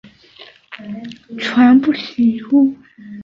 传不习乎？